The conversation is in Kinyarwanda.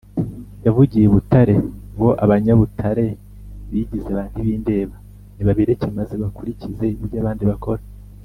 yavugiye i Butare ngo Abanyabutare bigize ba ntibindeba nibabireke maze bakurikize ibyo abandi bakora